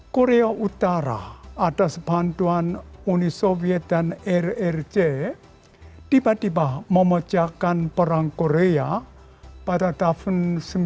korea utara atas bantuan uni soviet dan rrc tiba tiba memecahkan perang korea pada tahun seribu sembilan ratus sembilan puluh delapan